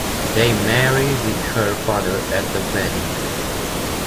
They marry with her father at the wedding.